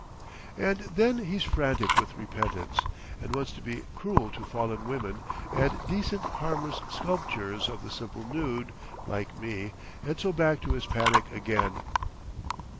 "And then he's frantic with repentance. And wants to be cruel to fallen women and decent harmless sculptors of the simple nude—like me—and so back to his panic again."